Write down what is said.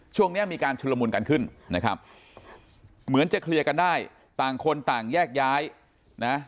ช่วงนี้มีการชุลมุนกันขึ้นนะครับเหมือนจะเคลียร์กันได้ต่างคนต่างแยกย้ายนะ